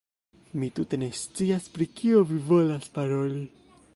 Mi tute ne scias, pri kio vi volas paroli.